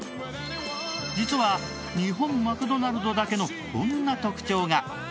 実は日本マクドナルドだけのこんな特徴が。